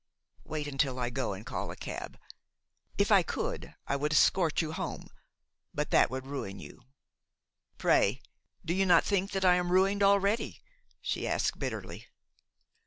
Wait until I go and call a cab. If I could, I would escort you home; but that would ruin you." "Pray, do you not think that I am ruined already?" she asked bitterly.